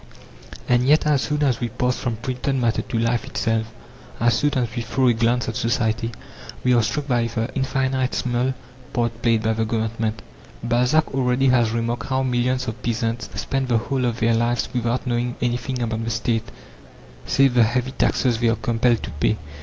And yet as soon as we pass from printed matter to life itself, as soon as we throw a glance at society, we are struck by the infinitesimal part played by the Government. Balzac already has remarked how millions of peasants spend the whole of their lives without knowing anything about the State, save the heavy taxes they are compelled to pay.